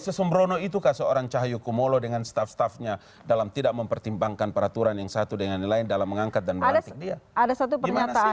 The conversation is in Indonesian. sesembrono itukah seorang cahayu kumolo dengan staf staffnya dalam tidak mempertimbangkan peraturan yang satu dengan yang lain dalam mengangkat dan melantik dia